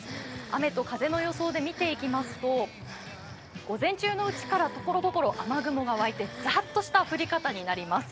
雨と風の予想で見ていきますと、午前中のうちからところどころ雨雲がわいてざっとした降り方になります。